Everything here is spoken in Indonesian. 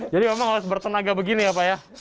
jadi memang harus bertenaga begini ya pak ya